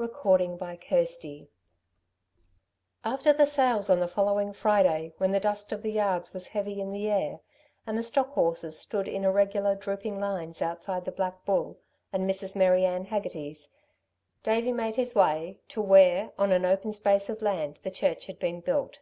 CHAPTER XXXV After the sales on the following Friday, when the dust of the yards was heavy in the air, and the stock horses stood in irregular, drooping lines outside the Black Bull and Mrs. Mary Ann Hegarty's, Davey made his way to where on an open space of land the church had been built.